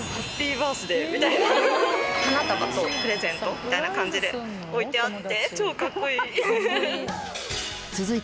花束とプレゼントみたいな感じで置いてあって。